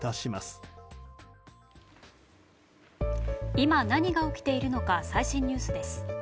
今、何が起きているのか最新ニュースです。